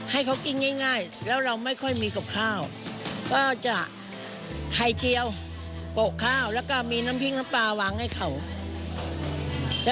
ให้เขากินง่ายแล้วเราไม่กลัวมีก็ข้าวจะไข่เจียวขนาดแล้วก็มีน้ำพลิกและปลาวางไว้ขนาดได้